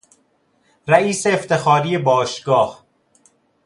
رئیس افتخاری باشگاه